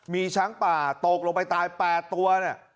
มีช้างป่าตกลงไปตาย๘ตัวเนี่ย